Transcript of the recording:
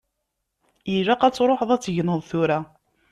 Ilaq ad tṛuḥeḍ ad tegneḍ tura.